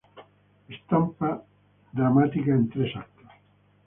Estampa dramática en tres actos.